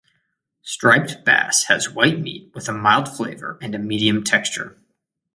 Striped bass has white meat with a mild flavor and a medium texture.